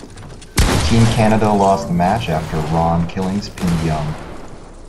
Team Canada lost the match after Ron Killings pinned Young.